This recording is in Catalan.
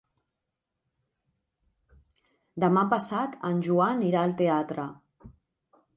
Demà passat en Joan irà al teatre.